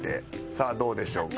さあどうでしょうか？